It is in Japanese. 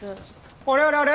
あれあれあれ？